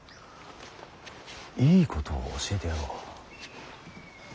いいことを教えてやろう。